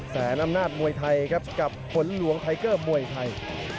อำนาจมวยไทยครับกับผลหลวงไทเกอร์มวยไทย